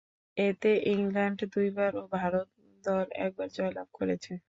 এতে ইংল্যান্ড দুইবার ও ভারত দল একবার জয়লাভ করেছে।